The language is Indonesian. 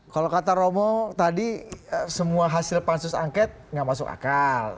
kalau kata romo tadi semua hasil pansus angket nggak masuk akal